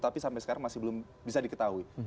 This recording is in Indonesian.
tapi sampai sekarang masih belum bisa diketahui